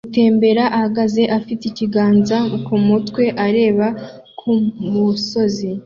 gutembera ahagaze afite ikiganza ku mutwe areba ku musozi